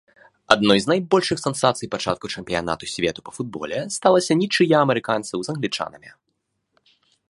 Адной з найбольшых сенсацый пачатку чэмпіянату свету па футболе сталася нічыя амерыканцаў з англічанамі.